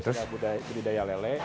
terus budidaya lele